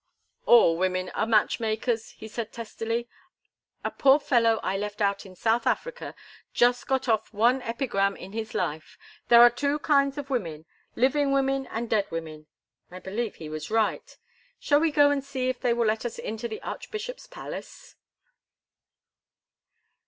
"All women are match makers," he said, testily. "A poor fellow I left out in South Africa got off just one epigram in his life—'There are two kinds of women, living women and dead women.' I believe he was right. Shall we go and see if they will let us into the archbishop's palace?"